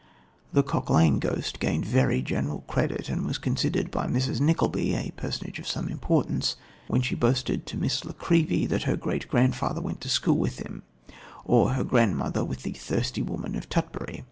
The Cock Lane ghost gained very general credit, and was considered by Mrs. Nickleby a personage of some importance, when she boasted to Miss La Creevy that her great grandfather went to school with him or her grandmother with the Thirsty Woman of Tutbury.